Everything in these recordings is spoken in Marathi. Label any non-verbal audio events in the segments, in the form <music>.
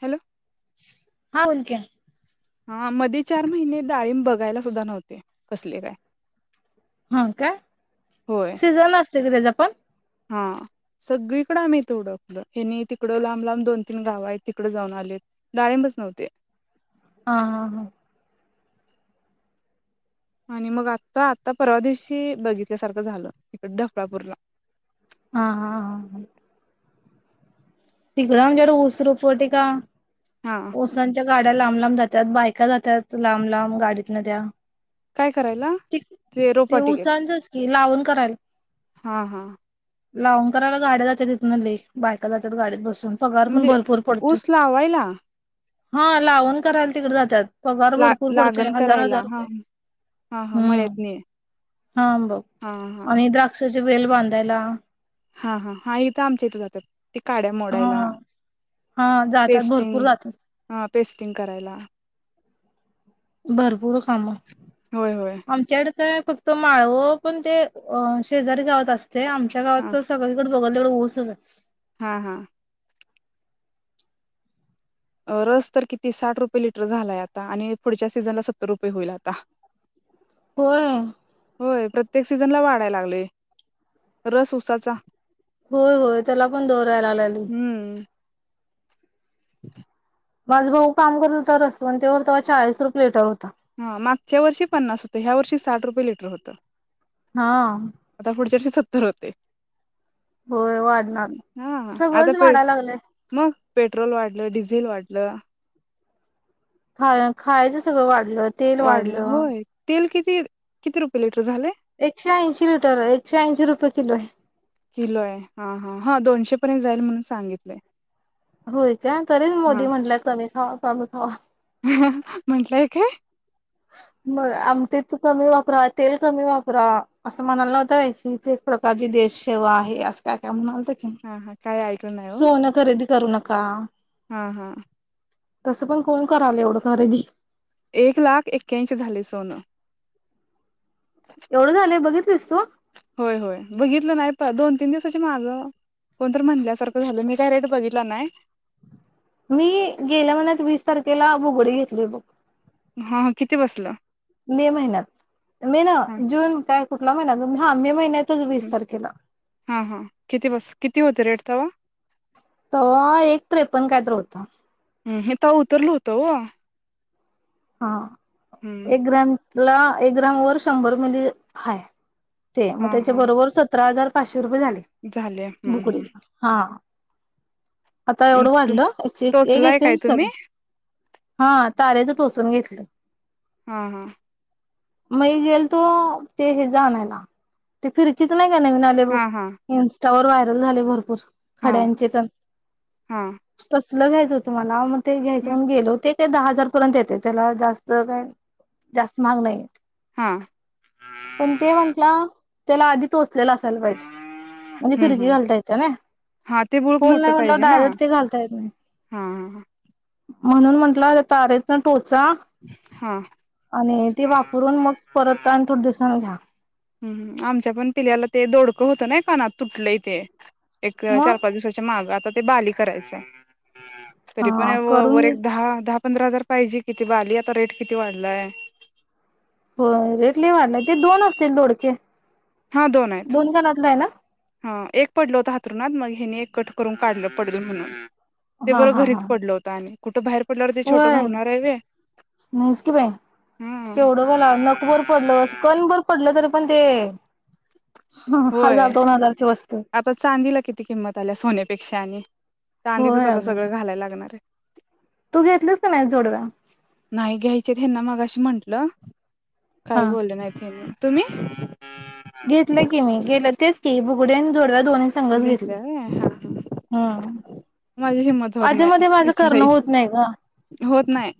हॅलो. हा हुलक्या. हा मध्ये चार महिने डाळिंब बघायला सुद्धा नव्हते कसले काय. हा काय होय शिजवलस. कधी जायचं आपण? हा सगळीकडे आम्ही इथे ओळखलो, हेनी तिकडं लांब लांब दोन तीन गाव आहेत तिकड जाऊन आलेत, डाळिंबच नव्हते. हा हा हा. आणि मग आता आत्ता परवा दिवशी बघितल्यासारखं झालं इकड ढकळापूरला. हा हा हा. तिकड आन् जेवढं उस उपटते का? हा उसाच्या गाड्या लांब लांब जात्यात, बायका जात्यात लांब लांब गाडीत न त्या्या काय करायला ते उसांचं च कि लावून करायला हा हा लावकरराला गाड्या जाय तिथूनली बायका जा. गाडीत बस म्हणजे ऊस लावायला हा लावून करायला तिकडे जात्यात पगार ला भरपूर पडते लागण हजार हजार करायला हा रुपये हा हा हम्म मळ्यातनी हां ब हा हा आणि द्राक्ष म्हणजे वेळ बांधायला हा-हा-हा इथं आमच्या इथे जातात.. ते काड्या मोडायला हा हा जातात भरपूर जातात. स्टिंग करायला. भरपूर काम. होय होय आमच्याकड तर फक्त माळवो पण ते शेजारी गावत असत ते आमच्या गावातच सगळीकड बघल तेवढं ऊसच हाय. हा-हा. रस तर किती साठ रुपये लिटर झालाय आता आणि पुढच्या सीझनला सत्तर रुपये होईल आता. होय. होय प्रत्येक सीझन ला वाढाय लागले रस उसाचा. होय-होय त्याला पण दौरायला लागली. हम्म <unintelligible> माझं भाऊ काम करत तरच पण तेववर तेव चाळीस रुपये लेटर होत हा मागच्या वर्षी पन्नास होत ह्या वर्षी साठ रुपये लिटर होत. <unintelligible> हा तेचे सत्तर होते. होय वाढणार हा आता सगळंच पे वाढा लागलंय मग पेट्रोल वाढलं डिझेल वाढलं खा खायचं सगळं वा वाढलं तेल वाढलं होय तेल किती रुपये लिट एकशे ऐंशी लिटर एकशे ऐंशी रुपये किलो आहे किलो आहे हा हा हा दोनशे पर्यंत जाईल म्हणून सांगितलं होय का तरी मोदी म्हटलं कमी खावा <unintelligible> खवा ह म्हंटलंय काय? मग आम ते कमी वापरा तेल कमी वापरा असं म्हणायला नवतं हीच एक प्रकारची देशसेेवा आहे. अस काय काय म्हणा हा हा काय नाही हो <unintelligible> खरेदी करू नका. हा हा. तसं पण कोण करालाय एवढं खरेदी. एक लाख ऐक्क्याशीं झालय सोनं. एवढं झालंय बघित तेसतो <unintelligible> होय होय बघितलं नाही प दोन तीन दिवसाची माग कोणत म्हणल्यासारखं झालं मी काय रेट बघितला नाय. मी गेल्या महिन्यात वीस तारखेला बुगडी घेतली बघ. हा किती बसलं मे महिन्यात मे ना हा जून काय मे महिन्यात ् हा हा किती बस किती होते रेट तो <unintelligible> तवा एक त्रेपण काय तर होत. हिम् त उतरल होत हो हा. एक ग्राम. ला एक ग्राम वर शंभर मिली हाय ते म हा हा त्याच्याबरोबर सतरा हजार किती रुपय झाले झाले हम्म बुकडीला हा आता एवढं हम्म वाढलं एक टोचलाय काय ऐक्क्याशीं तुम्ही झाल हा. तारेच टोचून घेतलं. हा हा. मी गेलतो ते हेज आनायला ते फिरकीच नाही नवीन आलय ब हा हा इन्स इन्साटावर व्हायरल झालयं भरपूर. हा खड्यांचे तर हा तस तसल घायचं होत मला ते घ्यायच मग म्हणून गेलो ते दहा हजार पर्यंत येते त्याला जास्त काय जास्त महाग नाहीेत हा पण ते म्हंटला त्याला आधिक टोचलेला असायला पाहिजे म्हणजे हम्म फिरकी हम्म घालता येत ना हा ते बुळूक होल मोठं नाही म्हटलं पाहिजे ना डायरेक्ट ते घालता येत नाही हा म्हणून म्हटला तारेत टोच जा हा आणि ते वापरून मग परत आणि थोड दिवसांन घ्या हम् आमच्या पण पिल्याला ते दोडकं होतं ना का ना तुटलं ते एक चार मग पाच दिवसाच्या माग ता ते बाली करायचं आहे. तरी पण हा करून वर घे एक दहा दहा पंधरा हजार पाहिजे किती बाली आता रेट किती वाढलाय, होय रेट लई वाटलाय नाही ते दोन असतील दोडके हा दोन आहेत. कानातलं आहे ना हा एक पडल होत हाथरुणात मग हेनी कट करून काढलं पडल म्हणून ते हा बरं हा हा घरीच पडल होतं आणि कुठं बाहेर पडल्यावर ते छोटं होय घावणार आहे वे नाहीच कि बाय हा केवढं मला नकभर पडल असं कणभर पडल तरी पण ते होय हजार दोन हजारची वस्तू आता चांदीला किती किंमत आल्या सोन्यापेक्षा आणि चांदीचच होय आता अगं सगळं घालायला लागणार आहे तू घेतलीस का नाही जोडव्या नाही घ्यायचे ह्याना मगाशी म्हंटलं काही हा बोललं नाहीत हेनी तुम्ही? घेतलं की मी गेलं. तेच की बुगड्यांनी जोडव्या. दोन् संघ घेतली घेतल्या व्हय हा हा माझी हिंमत होत आधी नाही मध्ये माझ करण विचारायची होत नाही ग. होत नाही.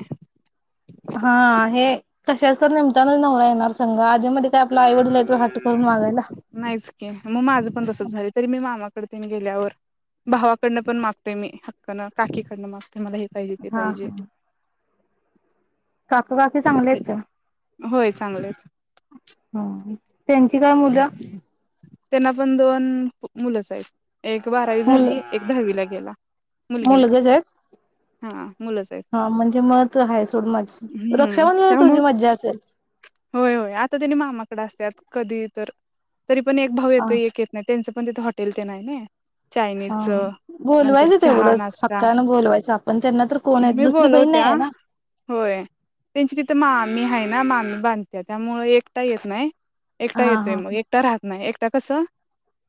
हा, हे कशाच तर नेमताना नवरा येणार संघा. नाहीच की मग माझं पण तस झालं तरी मी मामा ड गेल्यावर भावाकडनं पण मागतोय मी हक्कन काकीकडनं मागतो. ते मला हे पाहिजे ते पाहिजे. काकू काकी चांगले आहेत का? होय चांगलेत ह थँक. काय मुलं? त्यांना पण दोन मुलंच आहेत? एक बारावी मुल झाली, एक दहावीला गेली. गेला. मुलगी मुलगेच नाही आहेत हा मुलंच आहेत. हा म्हणजे मत आहे सोड माझी हम्म रक्षाबंधनला त्यामूळ तुझी मज्जा असेल. होय होय आता त्यानी मामाकड असत्यात. कधी तर तरी. पण एक भाऊ हा येतो एक येत नाही. त्यांचं पण तिथे हॉटेल तेन हाय नई. हा चायनीजचं नंतर बोलवायचं चहा तेवढंच नाश्ता हक्कानं बोलवायचं आपण त्यांना तर कोण आहे मी दुसरी बहीण नाही बोलवत्या आहे ना. मी आहे ना मामी बांधते त्यामुळे एकटा येत नाही. हा एकटा येतोय हा मग एकटा रहात नाही. एकटा कस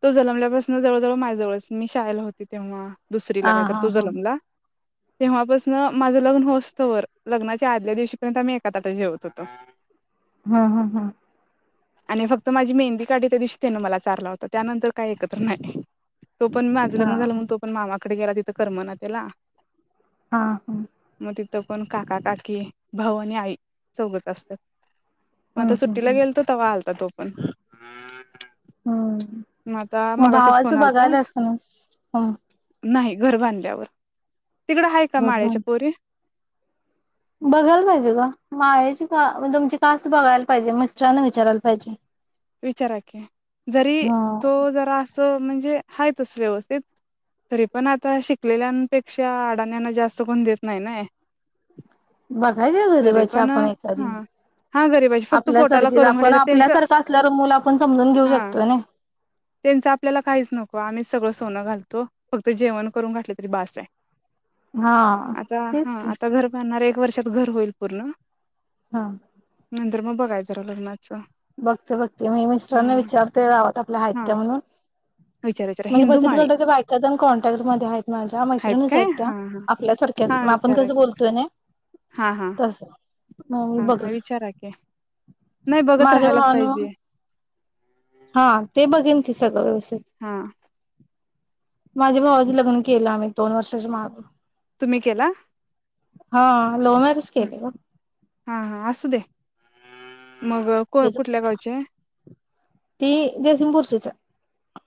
तो जन्मल्यापासून जवळ-जवळ माझ्यावळच मी शाळेला होते तेव्हा. दुसरी ला हा काही तर हा तो हा. जन्मला. तेव्हापासन माझं लग्न हो असतं व लग्नाच्या आदल्या दिवशीपर्यंत आम्ही एका तटात जेवत होतो. हम्म, हम्म, हम्म. आणि फक्त माझी मेहंदी क तर दिसते ना मला चाारला होता त्यानंतर काही एकत्र नाही तो पण माझं हा. लग्न झालं तो पण मामा. तीकडे गेला तिथं करमना त्याला. हा हा मग तिथं पण काका काकी भाऊ आणि आई चौघच असत्यात. मग हम्म आता सुट्टीला हम्म गेलोतो. तवा आलता तो पण हा् हम्म मग मगाशीच फोन भावाचं आलता बघायल्यास काय नाहीं. नाही घर बांधल्यावर. तिकडं आहे का माळ्याच्या पोरी. बघायला पाहिजे का माळ्याची का तुमची कास्ट बघायला पाहिजे मिस्टरांना विचारायला पाहिजे. विचारा की जरी हा. तो जरा. म्हणजे हायचच व्यवस्थित तरी पण आता, शिकलेल्यापेक्षा अडाण्याना जास्त कोण देत नाही नई. बघायच घरीबाची आपण एखादी हा हा गरीबाची फक्त पोटाला आपल्यासारखी करून आपण घालायचं त्यांचं आपल्यासारखं असल्या. हा त्यांचं आपल्याला काहीच नको, आम्हीच सगळं सोनं घालतो. फक्त जेवण करून घातलं तरी बास आहे. हा आता तेच हा की. आता घर बांधणार एक वर्षात घर होईल पूर्ण. हा तर मग बघाय जरा लग्नाचं बघते बघते मी हा मिस्टरने विचारते गावात आपल्या आहेत हा का म्हणून विचार विचार म्हणजे हिंदू बचत माळी गटाच्या बायकाजण कॉन्टॅक्ट मध्ये आहेत माझ्या मैत्रिणीच काय आहेत हा त्या हा आपल्यासारख्याच हा आपण विचारा कस की बोलतोय ना हा हा तसं. मग मी हा बघ हा विचाराकी नाही बघत माझ्या राहायलाच भावान पाहिजे हा ते बघेन की सगळं व्यवस्थित. हा माझ्या भावाचं लग्न केलं. आम्ही दोन वर्षाच्या माग तुम्ही केला हा लव्ह मॅरेज केले का? हा हा असू दे मग को कुठल्या गावचे ती जयसिंगपूरची ये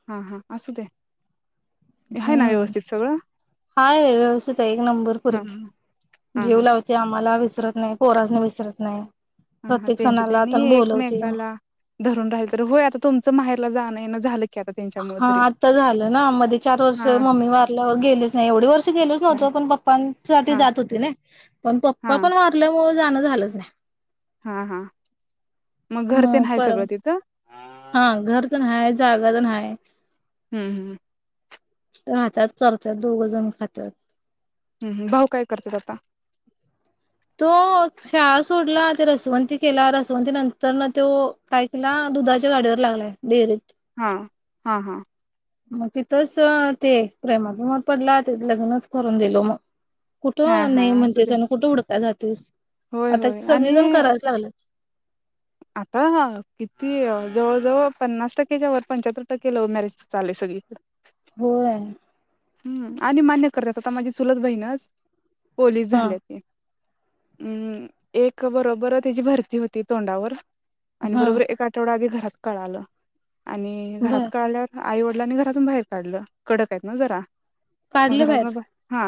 हा हा असू दे. आहे ना हम्म व्यवस्थित सगळं हाय व्यवस्थित हाय एक नंबर हा पोरगी हाय हा जीव हा लावते आम्हाला विसरत नाही पोरासनी विसरत नाही. हा हा प्रत्येक त्यांच सणाला त्यांनी पण बोलवते एकमेकाला धरून राहिलं तर होय आता तुमचं माहेरला जाण येन झालं की आता त्यांच्यामुळे हा तरी आता झालं ना मध्ये चार वर्ष हा मम्मी वारल्यावर गेलेच नाही एवढे वर्ष गेलोच नाही नव्हतो पण पप्पांसाठी हा जात होती ना पण हा पप्पा पण वारल्यावर जाण झालंच नाही. हा हा मग घर म तेन हाय पर सगळं तिथं हा घर तर नाही जाग जन आहे <unintelligible> हम्म हम्म राहतात करतात दोघ जण खात्यात हम्म भाऊ काय करतात आता? तो शाळा सोडला ते रसवंती केला रसवंती नंतर न तो काय केला दुधाच्या गाडीवर लागला डेअरीत. हा हा हा मग तिथंच ते प्रेमात बीमात पडला त लग्नच करून दिलो मग हा कुठं हा नाही असू म्हणतेच दे कुठं हूडकाय जातेस? होय तेच आता होय सगळेजण आणि करायच लागलेत. आता किती जवळ जवळ पन्नास टक्क्याच्या व पंच्याहत्तर टक्के लव्ह मॅरेज चालेल सगळी होय हम्म आणि मान्य कर्यच आता माझी चुलत बहीणच पोलीस हा झाले ते. हम्म एक बरोबर तीची भरती होती तोंडावर आणि हा बरोबर एक आठवडा आधी घरात कळालं. आणि घरात बर कळाल्यावर आई वडिलांनी घरातून बाहेर काढलं कडक आहेत ना जरा. मग घरात बाहेर हा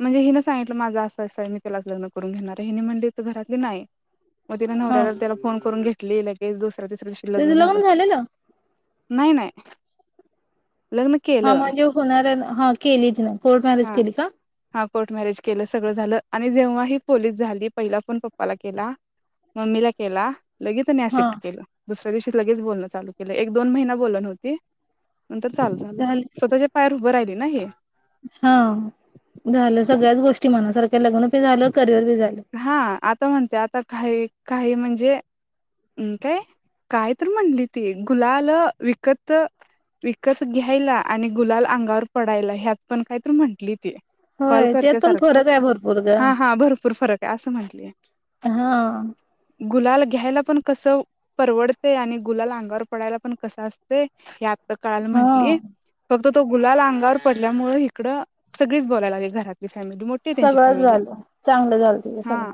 म्हणजे हिन सांगितलं माझं असं अस मी त्यालाच लग्न करून घेणार आहे हिनी म्हणले त घरातली नाही. मग तिन हा नवऱ्याला त्याला फोन करून घे <unintelligible> तिसऱ्या दिवशी लग्न त्याचं झालंच. झालेलं नाही नाही. लग्न हा केलं म्हणजे होणार आहे ना? हा केलीच नाही. कोर्ट मॅरेज हा केली का? हा कोर्ट मॅरेज केलं सगळं झालं आणि जेव्हाही पोलीस झाली पहिला फोन पप्पाला केला मम्मीला केला. लगेच त्यानी हा एक्सेप्ट केलं. दुसऱ्या दिवशी लगेच बोलणं चालू केलं एक दोन महिना बोलली नव्हती. नंतर चालू झाला झाली स्वतःच्या पायावर उभं राहिली. नाही. हा झालं सगळ्याच गोष्टी मनासारख्या लग्न बी झालं करिअर बी झालं हा आता म्हणते आता काय? काही म्हणजे? काय काय तर म्हटली ती गुलाल विकत विकत घ्यायला आणि गुलाल अंगावर पडायला ह्यात पण कायतर म्हटली कॉल होय त्यात करते पण सारखं फरक आहे भरपूर ग हा हा भरपूर फरक आहे असं म्हटलीय. हा गुलाल घ्यायला पण कस परवडतय आणि गुलाला अंगावर पडायला पण कस असतय? सकाळला हा म्हटली फक्त <unintelligible> तर तो गुलाल अंगावर पडल्यामुळ हिकडं सगळीच बोलायलागली घरात सगळं झालं चांगलं झालं तिच हा सगळं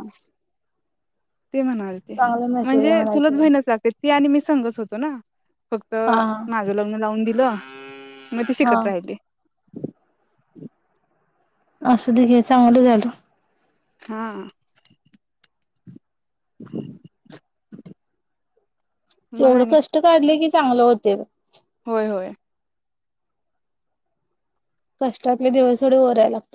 ते म्हणालते चांगलं नशीब आहे म्हणजे म्हणायचं सुलतभईनच लागते. ती आणि मी संगच होतो ना. फक्त हा माझं लग्न लावून दि द <unintelligible> मग ती हा शिकत राहिली. असू दे घे चांगलं झालं. हा. <unintelligible> मग जेवढं आणि कष्ट काढले की. चांगल होतय बघ. होय, होय. कष्टातले दिवस थोडे वरयायला लागतात.